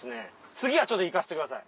次はちょっと行かせてください。